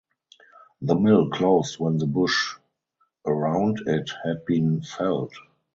The mill closed when the bush around it had been felled.